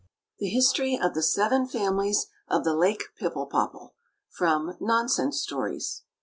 The History of the Seven Families of the Lake Pipple Popple [_From "Nonsense Stories."